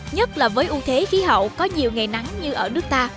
nhất là với ưu thế khí hậu có nhiều ngày nắng như ở nước ta